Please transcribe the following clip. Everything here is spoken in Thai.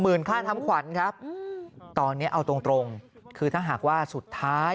ค่าทำขวัญครับตอนนี้เอาตรงตรงคือถ้าหากว่าสุดท้าย